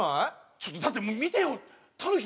ちょっとだって見てよたぬき